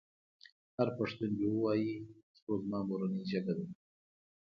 هر پښتون دې ووايي پښتو زما مورنۍ ژبه ده.